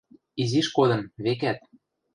– Изиш кодын, векӓт...